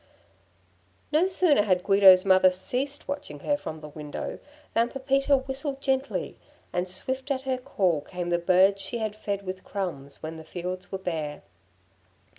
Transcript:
No sooner had Guido's mother ceased watching her from the window, than Pepita whistled gently, and swift at her call came the birds she had fed with crumbs when the fields were bare.